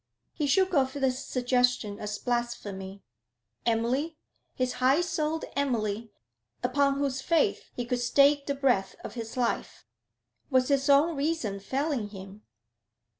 He shook off this suggestion as blasphemy. Emily? His high souled Emily, upon whose faith he would stake the breath of his life? Was his own reason failing him?